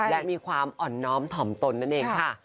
และมีความอ่อนน้อมถ่อมตนนั่นเองค่ะ